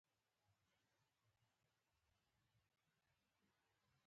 عام خلک سپک مه ګڼئ!